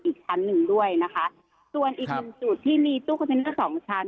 อีกชั้นหนึ่งด้วยนะคะส่วนอีกสิทธิ์ที่มีตู้คอนเซนเนอร์สองชั้น